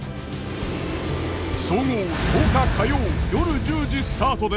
総合１０日火曜夜１０時スタートです。